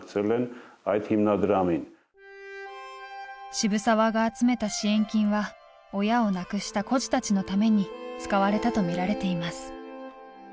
渋沢が集めた支援金は親を亡くした孤児たちのために使われたと見られています。